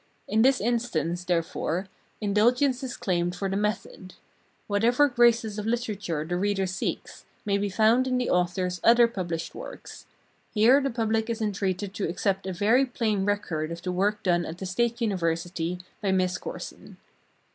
In this instance, therefore, indulgence is claimed for the method. Whatever graces of literature the reader seeks, may be found in the author's other published works; here the public is entreated to accept a very plain record of the work done at the State University by Miss Corson.